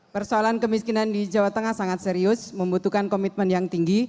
persoalan kemiskinan di jawa tengah sangat serius membutuhkan komitmen yang tinggi